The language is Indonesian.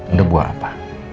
udah buah apa